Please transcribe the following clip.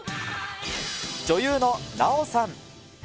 女優の奈緒さん。